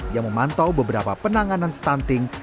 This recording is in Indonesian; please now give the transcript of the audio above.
yang memantau beberapa penanganan stunting